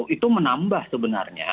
itu menambah sebenarnya